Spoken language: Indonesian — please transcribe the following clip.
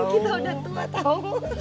nggak mungkin kita udah tua tau